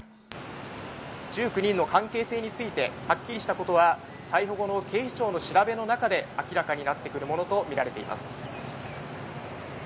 １９人の関係性について、はっきりした事は逮捕後の警視庁の調べの中で明らかになってくるものとみられています。